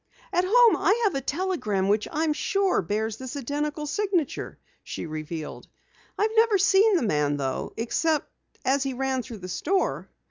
"At home I have a telegram which I'm sure bears this identical signature!" she revealed. "I've never seen the man though except as he ran through the store."